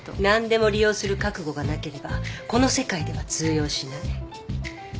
何でも利用する覚悟がなければこの世界では通用しない。